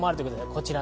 こちら。